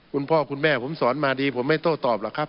คุณพ่อคุณแม่ผมสอนมาดีผมไม่โต้ตอบหรอกครับ